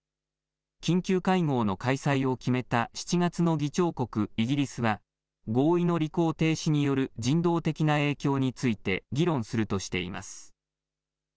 緊急会合の開催を決めた７月の議長国、イギリスは合意の履行停止による人道的な影響について議論するとしています。